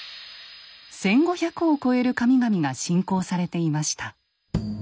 １，５００を超える神々が信仰されていました。